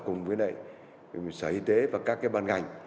cùng với sở y tế và các bàn ngành